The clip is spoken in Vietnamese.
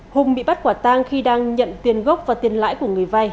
hùng bị bắt quả tang khi đang nhận tiền gốc và tiền lãi của người vay